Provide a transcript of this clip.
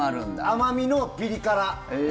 甘味のピリ辛。